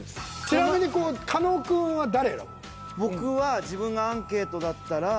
ちなみに僕は自分がアンケートだったら。